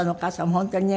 本当にね